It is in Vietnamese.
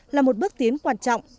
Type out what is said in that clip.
là một bước tiến quan trọng